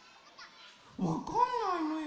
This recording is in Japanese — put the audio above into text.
わかんないのよ。